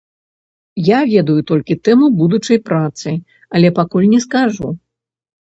Я ведаю толькі тэму будучай працы, але пакуль не скажу.